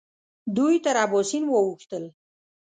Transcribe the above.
دوی تر اباسین واوښتل.